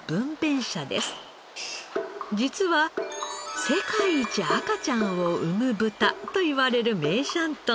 実は「世界一赤ちゃんを産む豚」といわれる梅山豚。